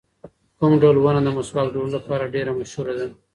کوم ډول ونه د مسواک جوړولو لپاره ډېره مشهوره ده؟